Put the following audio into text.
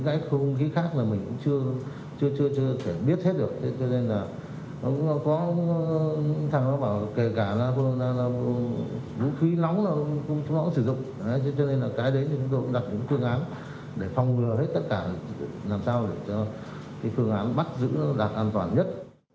để phong ngừa hết tất cả làm sao để cho phương án bắt giữ đạt an toàn nhất